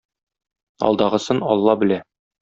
Алдагысын Алла белә.